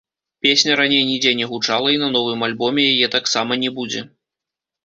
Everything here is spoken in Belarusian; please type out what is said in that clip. Песня раней нідзе не гучала і на новым альбоме яе таксама не будзе.